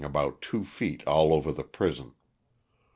103 about two feet all over the prison.